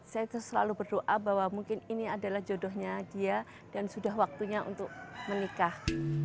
saya selalu berdoa bahwa mungkin ini adalah jodohnya dia dan sudah waktunya untuk menikah